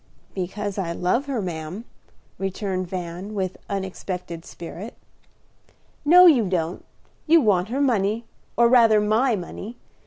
"Because I love her, ma'am," returned Van, with unexpected spirit. "No, you don't; you want her money, or rather my money.